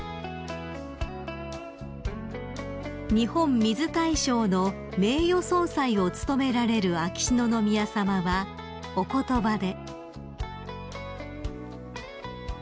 ［日本水大賞の名誉総裁を務められる秋篠宮さまはお言葉で］